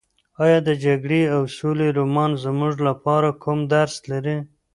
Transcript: ایا د جګړې او سولې رومان زموږ لپاره کوم درس لري؟